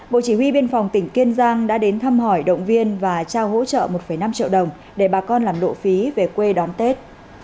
bộ chỉ huy biên phòng tỉnh kiên giang đã đến thăm hỏi động viên và trao hỗ trợ một năm triệu đồng để bà con làm lộ phí về quê đón tết